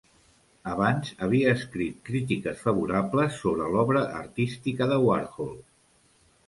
Abans havia escrit crítiques favorables sobre l'obra artística de Warhol.